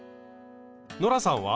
ノラさんは？